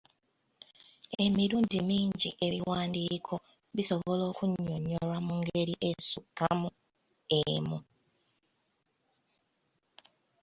Emirundi mingi ebiwandiiko bisobola okunnyonnyolwa mu ngeri esukka mu emu.